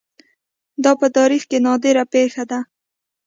دا په تاریخ کې نادره پېښه ده